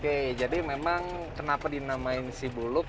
oke jadi memang kenapa dinamain sibulung